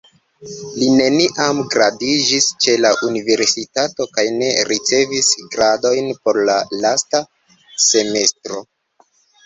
Li neniam gradiĝis ĉe la universitato kaj ne ricevis gradojn por la lasta semestro.